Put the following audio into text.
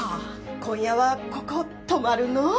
今夜はここ泊まるの？